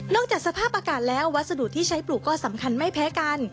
จากสภาพอากาศแล้ววัสดุที่ใช้ปลูกก็สำคัญไม่แพ้กัน